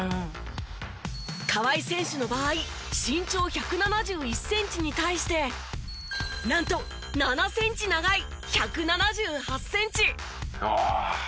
川井選手の場合身長１７１センチに対してなんと７センチ長い１７８センチ！